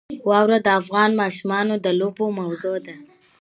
واوره د افغان ماشومانو د لوبو موضوع ده.